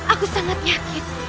aku sangat yakin